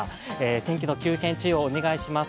天気の急変、注意をお願いします。